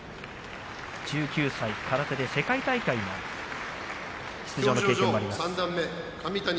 １９歳、世界大会の出場の経験もあります神谷。